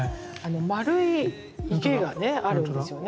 まるい池がねあるんですよね。